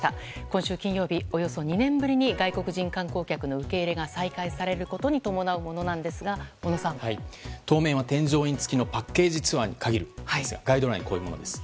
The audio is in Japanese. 今週金曜日およそ２年ぶりに外国人観光客の受け入れが再開されることに伴うものなんですが当面は添乗員付きのパッケージツアーに限るんですがガイドラインはこういうものです。